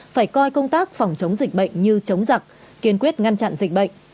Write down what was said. phải coi công tác phòng chống dịch bệnh như chống giặc kiên quyết ngăn chặn dịch bệnh